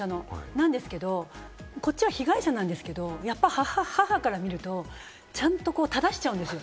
なんですけれども、こっちは被害者なんですけれど、やっぱり母から見るとちゃんと質しちゃうんですよ。